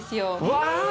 うわ！